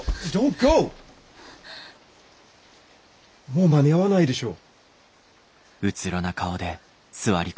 もう間に合わないでしょう。